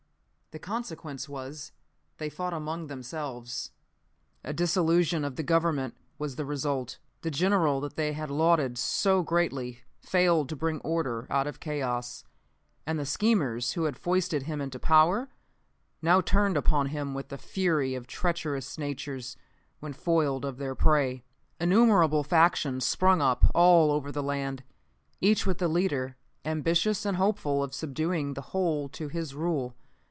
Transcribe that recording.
The consequence was they fought among themselves. A dissolution of the Government was the result. The General they had lauded so greatly failed to bring order out of chaos; and the schemers who had foisted him into power, now turned upon him with the fury of treacherous natures when foiled of their prey. Innumerable factions sprung up all over the land, each with a leader ambitious and hopeful of subduing the whole to his rule.